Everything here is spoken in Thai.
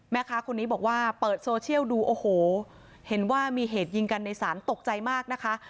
แม่ค้าคนนี้บอกว่าเปิดโซเชียลดูโอ้โหเห็นว่ามีเหตุยิงกันในศาลตกใจมากนะคะ